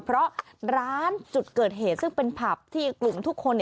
เพราะร้านจุดเกิดเหตุซึ่งเป็นผับที่กลุ่มทุกคน